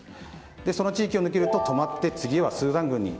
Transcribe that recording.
その地域を抜けると止まって次はスーダン軍に。